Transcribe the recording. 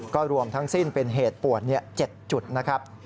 ก็รวมทั้งสิ้นเป็นเหตุปวด๗จุดนะครับ